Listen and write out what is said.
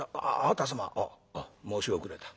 「あっ申し遅れた。